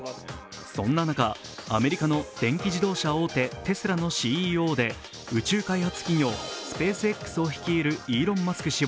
そんな中、アメリカの電気自動車大手テスラのＣＥＯで宇宙開発企業スペースＸを率いるイーロン・マスク